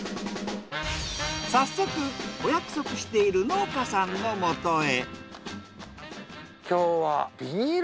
早速お約束している農家さんのもとへ。